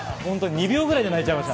２秒で泣いちゃいました。